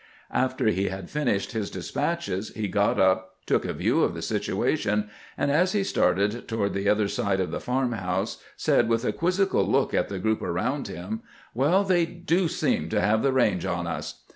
After he had fin ished his despatches he got up, took a view of the situ ation, and as he started toward the other side of the farm house said with a quizzical look at the group around him :" WeU, they do seem to have the range on us."